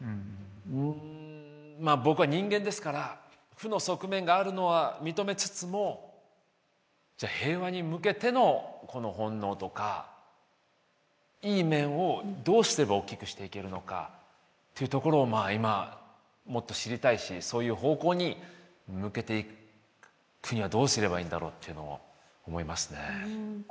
うんまあ僕は人間ですから負の側面があるのは認めつつもじゃ平和に向けての本能とかいい面をどうすれば大きくしていけるのかっていうところを今もっと知りたいしそういう方向に向けていくにはどうすればいいんだろうっていうのを思いますね。